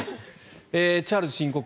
チャールズ新国王